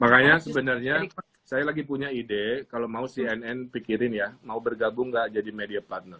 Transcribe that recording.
makanya sebenarnya saya lagi punya ide kalau mau cnn pikirin ya mau bergabung gak jadi media partner